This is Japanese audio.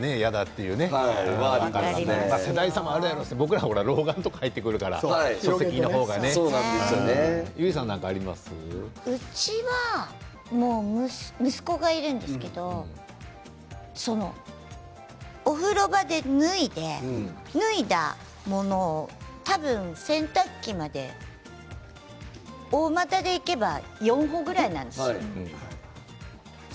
世代差もあるだろうから僕らはね老眼とか入ってくるから電子書籍の方がね。うちは息子がいるんですけれどお風呂場で脱いで、脱いだものを多分、洗濯機まで大股で行けば４歩ぐらいなんですよ。